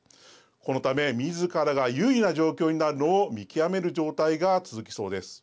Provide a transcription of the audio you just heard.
このため、みずからが優位な状況になるのを見極める状態が続きそうです。